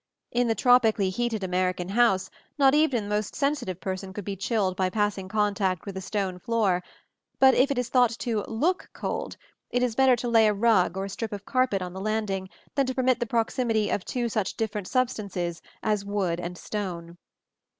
In the tropically heated American house not even the most sensitive person could be chilled by passing contact with a stone floor; but if it is thought to "look cold," it is better to lay a rug or a strip of carpet on the landing than to permit the proximity of two such different substances as wood and stone.